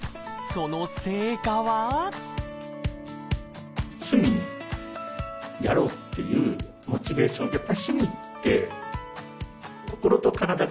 その成果は趣味やろうっていうモチベーション。